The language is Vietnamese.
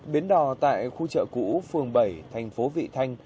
bến đò tại khu chợ cũ phường bảy thành phố vị thanh